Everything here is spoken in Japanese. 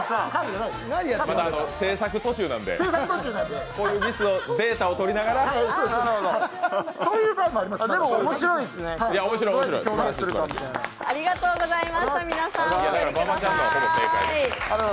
制作途中なんで、こういうミス、データを取りながらそういう面もありますから。